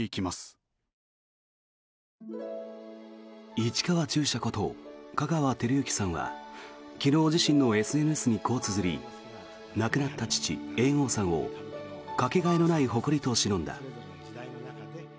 市川中車こと香川照之さんは昨日、自身のＳＮＳにこうつづり亡くなった父・猿翁さんをかけがえのない誇りとしのんだ。